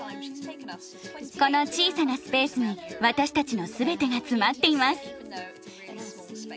この小さなスペースに私たちの全てが詰まっています。